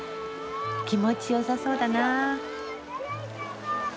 気持ちよさそうだな。